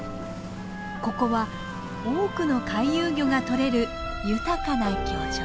ここは多くの回遊魚が取れる豊かな漁場。